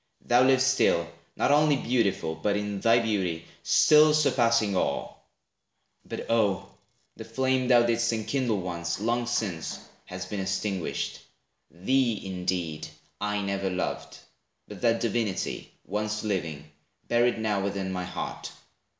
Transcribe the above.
Thou livest still, not only beautiful, But in thy beauty still surpassing all; But oh, the flame thou didst enkindle once, Long since has been extinguished; thee, indeed, I never loved, but that Divinity, Once living, buried now within my heart.